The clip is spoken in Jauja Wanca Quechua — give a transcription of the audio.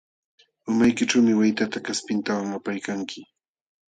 Umaykićhuumi waytata kaspintawan apaykanki.